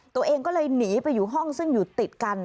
ตัวเองก็เลยหนีไปอยู่ห้องซึ่งอยู่ติดกัน